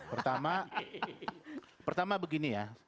pertama pertama begini ya